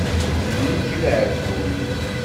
D nekk i d aɛeggun.